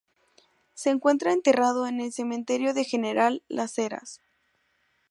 Se encuentra enterrado en el cementerio de General Las Heras.